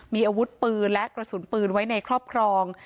มีอาวุธปืนและกระสุนปืนไว้ในครอบครอง